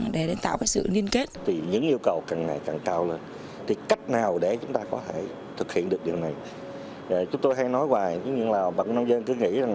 để đạt được tổ hợp tác